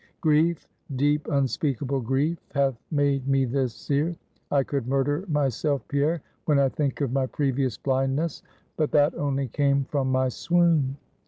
Grief, deep, unspeakable grief, hath made me this seer. I could murder myself, Pierre, when I think of my previous blindness; but that only came from my swoon.